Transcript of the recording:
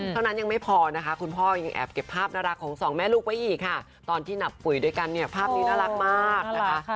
เท่านั้นยังไม่พอนะคะคุณพ่อยังแอบเก็บภาพน่ารักของสองแม่ลูกไว้อีกค่ะตอนที่หนับปุ๋ยด้วยกันเนี่ยภาพนี้น่ารักมากนะคะ